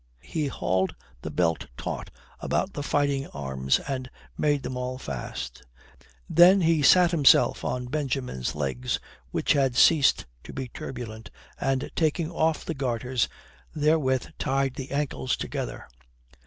He hauled the belt taut about the fighting arms and made all fast. Then he sat himself on Benjamin's legs, which thus ceased to be turbulent, and, taking off the garters, therewith tied the ankles together.